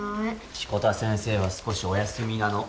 志子田先生は少しお休みなの。